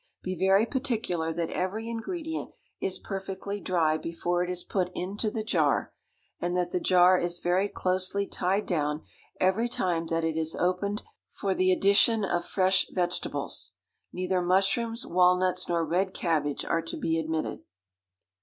Be very particular that every ingredient is perfectly dry before it is put into the jar, and that the jar is very closely tied down every time that it is opened for the addition of fresh vegetables. Neither mushrooms, walnuts, nor red cabbage are to be admitted.